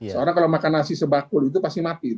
seorang kalau makan nasi sebakul itu pasti mati